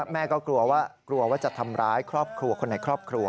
แม่ก็กลัวว่ากลัวว่าจะทำร้ายครอบครัวคนในครอบครัว